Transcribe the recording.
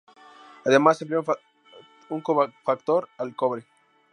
Además, emplea un cofactor: el cobre.